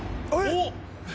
おっ！